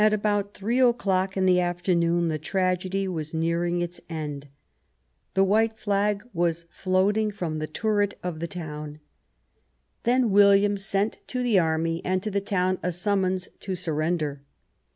About three o'clock in the afternoon the tragedy was nearing its end ; the white flag was floating 135 Bismarck from the turret of tHe town. Then William sent to the army and to the town a summons to sur render.